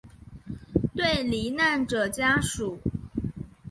对罹难者家属